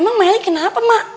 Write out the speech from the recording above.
emang meli kenapa ma